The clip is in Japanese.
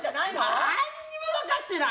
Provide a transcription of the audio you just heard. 何もわかってない！